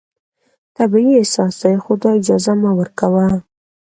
طبیعي احساس دی، خو دا اجازه مه ورکوه